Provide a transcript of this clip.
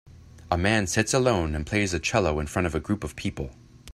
A man sits alone and plays a cello in front of a group of people